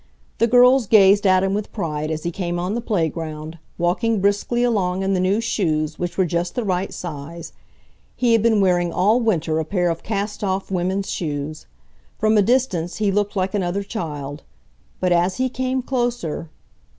The girls gazed at him with pride as he came on the playground, walking briskly along in the new shoes, which were just the right size. He had been wearing all winter a pair of cast off women's shoes. From a distance he looked like another child. But as he came closer